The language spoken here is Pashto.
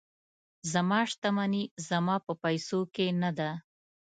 زما شتمني زما په پیسو کې نه ده.